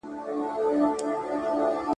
ارمانونه یې ګورته وړي دي.